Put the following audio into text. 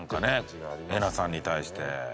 えなさんに対して。